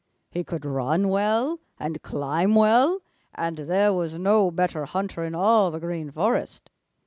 He could run well and climb well, and there was no better hunter in all the Green Forest.